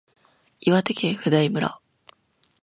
岩手県普代村